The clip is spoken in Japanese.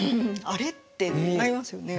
「あれ？」ってなりますよね。